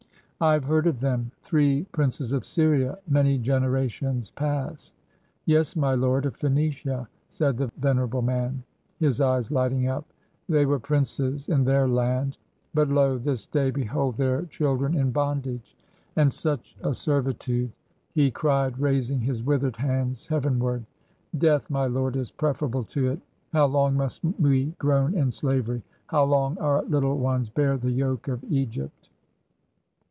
"I have heard of them; three princes of Syria, many generations past !" "Yes, my lord of Phoenicia," said the venerable man, his eyes lighting up; "they were princes in their land! But, lo! this day behold their children in bondage! And such a servitude!" he cried, raising his withered hands heavenward. "Death, my lord, is preferable to it! How long must we groan in slavery? How long our little ones bear the yoke of Egypt?